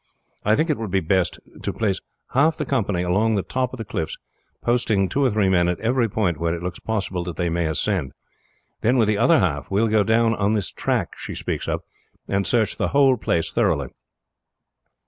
I think it will be best to place half the company along the top of the cliffs, posting two or three men at every point where it looks possible that they may ascend, then with the other half we will go down on this track she speaks of and search the whole place thoroughly.